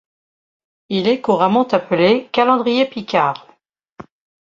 Il est couramment appelé calendrier picard.